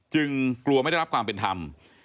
กลัวไม่ได้รับความเป็นธรรม